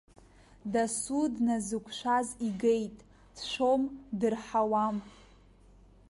Дасу дназықәшәаз игеит, дшәом, дырҳауам!